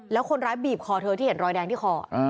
แล้วคนร้ายบีบคอเธอที่เห็นรอยแดงที่คอ